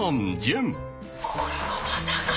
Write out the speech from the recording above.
「これはまさか」